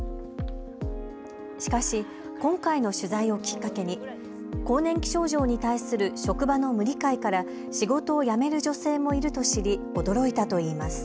しかし今回の取材をきっかけに更年期症状に対する職場の無理解から仕事を辞める女性もいると知り驚いたといいます。